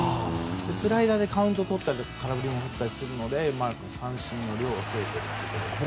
スライダーでカウントとったり空振りもとるので三振の量が増えているということですね。